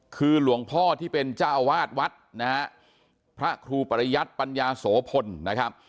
คือหลวงพ่อที่เป็นเจ้าวาทวัฒน์นะฮะพระครูปริยัตริยสโฝพลนะครับ